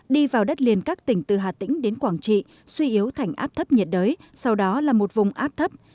đi vào đất liền các tỉnh từ hà tĩnh đến quảng trị suy yếu thành áp thấp nhiệt đới sau đó là một vùng áp thấp